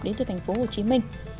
đến từ thành phố hồ chí minh